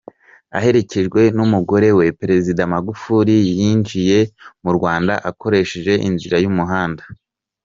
Aherekejwe n'umugore we, Perezida Magufuli yinjiye mu Rwanda akoresheje inzira y'umuhanda.